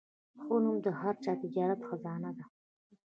ښه نوم د هر تجارت خزانه ده.